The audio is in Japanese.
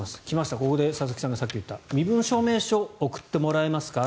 ここで佐々木さんがさっき言った身分証明書を送ってもらえますか？